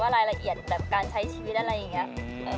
เราก็ต้องมาดูอีกทีหนึ่งว่ารายละเอียดการใช้ชีวิตอะไรอย่างนี้